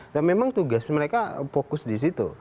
dan memang tugas mereka fokus di situ